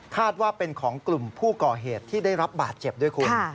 ว่าเป็นของกลุ่มผู้ก่อเหตุที่ได้รับบาดเจ็บด้วยคุณ